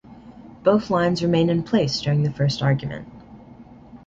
Both lines remain in place during the first argument.